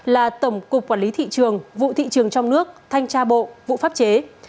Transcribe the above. là tổng cục quản lý thị trường vụ thị trường trong nước thanh tra bộ vụ pháp chế